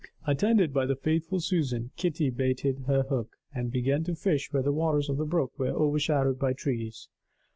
Attended by the faithful Susan, Kitty baited her hook, and began to fish where the waters of the brook were overshadowed by trees.